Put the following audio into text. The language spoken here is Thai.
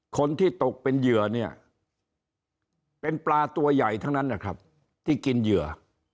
คนที่ตกเป็นเหยื่อเนี่ยเป็นปลาตัวใหญ่ทั้งนั้นนะครับที่กินเหยื่อ